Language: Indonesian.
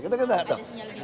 kita kena tahu